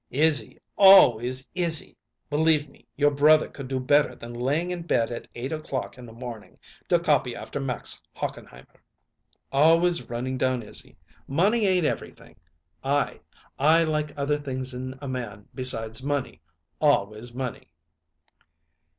"Izzy always Izzy! Believe me, your brother could do better than layin' in bed at eight o'clock in the morning, to copy after Max Hochenheimer." "Always running down Izzy! Money ain't everything. I I like other things in a man besides money always money."